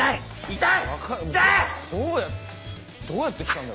痛い。